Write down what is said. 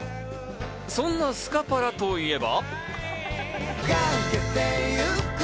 そんなスカパラといえば。